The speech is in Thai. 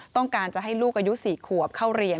ต้องการจะให้ลูกอายุ๔ขวบเข้าเรียน